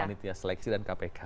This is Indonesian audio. panitia seleksi dan kpk